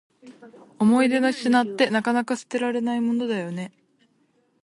思い出の品って、なかなか捨てられないものだよね。